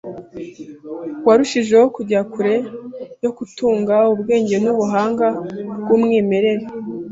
warushijeho kujya kure yo kutunga, ubwenge n’ubuhanga by’umwimerere